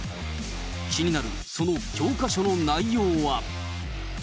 気になるその教科書の内容は。